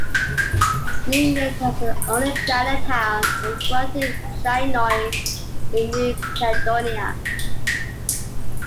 Noumea has the only Chinatown, or "Quartier Chinois", in New Caledonia.